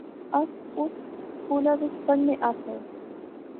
اس اس سکولا اچ پڑھنے آسے آں